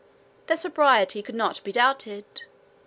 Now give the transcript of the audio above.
Their sobriety could not be doubted.